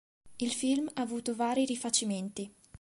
Il film ha avuto vari rifacimenti.